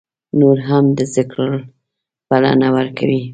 نور هم د ذکر بلنه ورکوي.